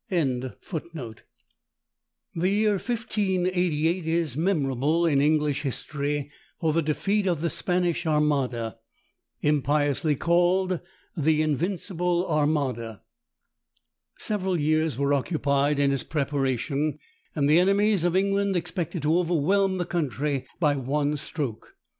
] The year 1588 is memorable in English history for the defeat of the Spanish Armada, impiously called the Invincible Armada. Several years were occupied in its preparation; and the enemies of England expected to overwhelm the country by one stroke.